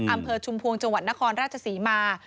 อำเภอชุมพวงจังหวัดนครราชศรีมา